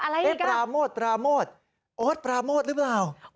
แฮชแท็กปราโมดอปราโมดลึไง